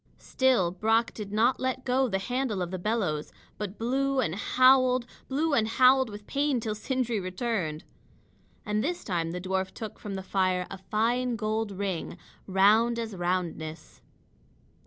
Still Brock did not let go the handle of the bellows, but blew and howled blew and howled with pain till Sindri returned. And this time the dwarf took from the fire a fine gold ring, round as roundness.